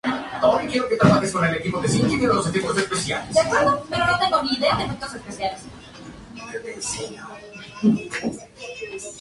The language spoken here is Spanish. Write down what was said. El resultado predicho es la variable dependiente, que es la variable y.